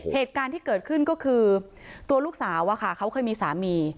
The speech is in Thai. เหตุการณ์ที่เกิดขึ้นก็คือตัวลูกสาวเขาเคยมีสามี